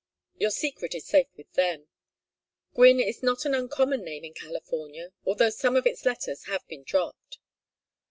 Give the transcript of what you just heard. Your secret is safe with them. Gwynne is not an uncommon name in California, although some of its letters have been dropped.